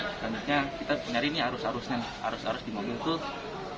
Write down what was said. selanjutnya kita nyari ini arus arusnya arus arus di mobil tuh